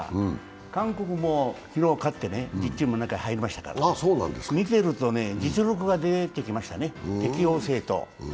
韓国も昨日勝って１０チームの中に入りましたから、見てるとね、実力が出てきましたね、適応性と。